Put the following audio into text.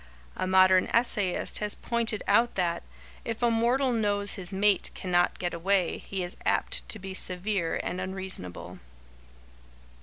A modern essayist has pointed out that "if a mortal knows his mate cannot get away, he is apt to be severe and unreasonable."